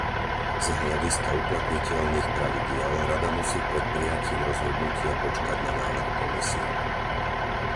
Z hľadiska uplatniteľných pravidiel, Rada musí pred prijatím rozhodnutia počkať na návrh Komisie.